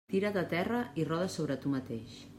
Tira't a terra i roda sobre tu mateix.